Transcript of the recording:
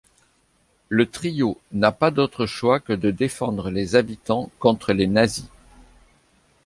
Le trio n'a pas d'autre choix que de défendre les habitants contre les Nazis.